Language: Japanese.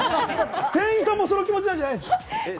店員さんもその気持ちなんじゃないですか？